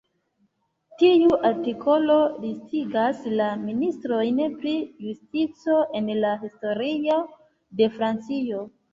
Tiu artikolo listigas la ministrojn pri justico en la historio de Francio.